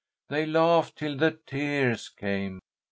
They laughed till the tears came.